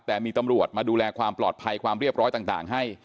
แต่มีตำรวจมาดูแลความปลอดภัยความเรียบร้อยต่างให้